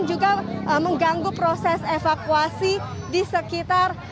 juga mengganggu proses evakuasi di sekitar